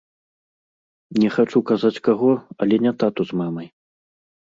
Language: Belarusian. Не хачу казаць каго, але не тату з мамай.